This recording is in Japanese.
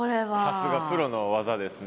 さすがプロの技ですね。